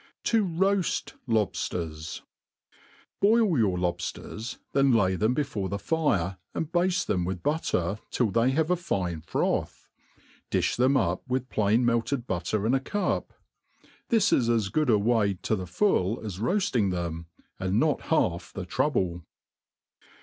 7i roaji Lohftert. BOIL your lobfters, then lay them before the fire, and bafte them with butter, till they have a fine froth. Difli them up with plain melted butter in a cup. This is as good a way to the full as roafting them, and not half the trouble.